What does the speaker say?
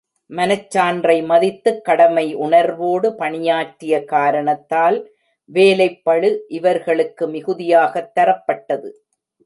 மனச்சான்றை மதித்துக் கடமை உணர்வோடு பணியாற்றிய காரணத்தால் வேலைப் பளு இவர்களுக்கு மிகுதியாகத் தரப்பட்டது.